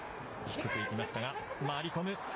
低くいきましたが、回り込む。